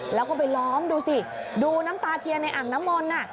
แล้วก็ไปล้อมดูสิดูน้ำตาเทียนในอ่างน้ำมนต์